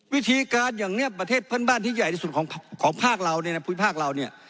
วิธีการอย่างเนี่ยประเทศเพื่อนบ้านที่ใหญ่สุดของภาคราวเนี่ยคือ